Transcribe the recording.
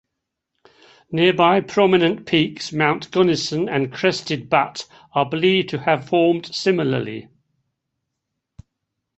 Nearby prominent peaks Mount Gunnison and Crested Butte are believed to have formed similarly.